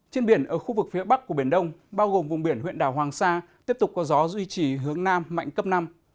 trên biển ở khu vực phía bắc của biển đông bao gồm vùng biển huyện đảo hoàng sa tiếp tục có gió duy trì hướng nam mạnh cấp năm